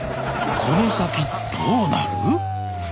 この先どうなる？